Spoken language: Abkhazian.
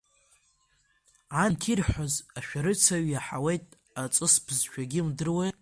Анҭ ирҳәоз ашәарыцаҩ иаҳауеит аҵыс бызшәагьы имдыруеи!